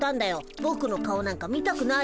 ぼくの顔なんか見たくないって。